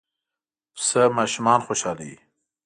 پسه ماشومان خوشحالوي.